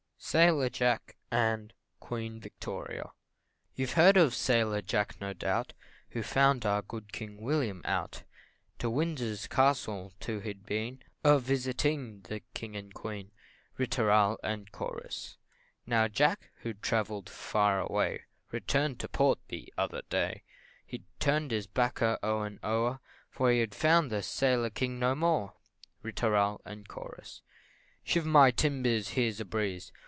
SAILOR JACK AND QUEEN VICTORIA. You've heard of Sailor Jack, no doubt, Who found our good King William out To Windsor Castle, too, he'd been, A visiting the King and Queen. Ri tooral, &c. Now Jack, who'd travell'd far away, Returned to port the other day He turn'd his bacca o'er and o'er, For he found the Sailor King no more. Ri tooral, &c. "Shiver my timbers! here's a breeze!